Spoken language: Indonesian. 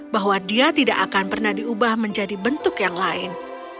bahwa dia tidak akan pernah diubah menjadi bentuk yang lain